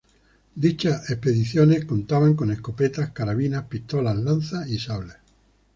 Dichas expediciones contaban con escopetas, carabinas, pistolas, lanzas y sables.